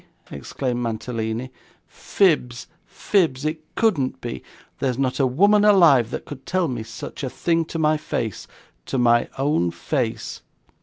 exclaimed Mantalini. 'Fibs, fibs. It couldn't be. There's not a woman alive, that could tell me such a thing to my face to my own face.